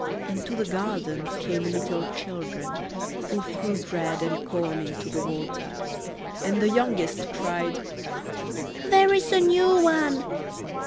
Into the garden came little children, who threw bread and corn into the water; and the youngest cried, "There is a new one!"